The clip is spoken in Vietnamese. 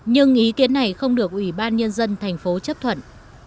nhưng ý kiến này không được ủy ban nhân dân thành phố chấp thuận